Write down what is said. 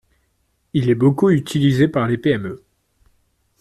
Il est beaucoup utilisé par les PME.